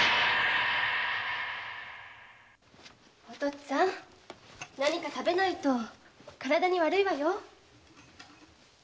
お父っつぁん何か食べないと体に悪いわよ。